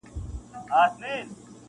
د پاچا لمن لاسونو كي روان وه-